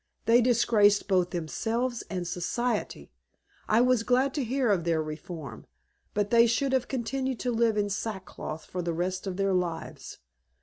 "They disgraced both themselves and Society. I was glad to hear of their reform, but they should have continued to live in sackcloth for the rest of their lives.